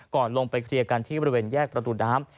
ลงไปเคลียร์กันที่บริเวณแยกประตูน้ำ